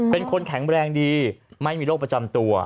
เป็นคนแข็งแรงดีไม่มีโรคประจำตัว